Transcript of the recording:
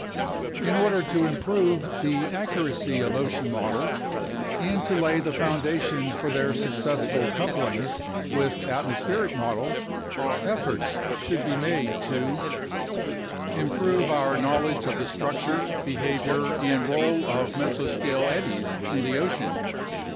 In order to improve the accuracy of ocean models and to lay the foundation for their successful coupling with atmospheric models, efforts should be made to Improve our knowledge of the structure, behavior, and role of mesoscale eddies in the ocean.